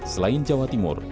selain jawa timur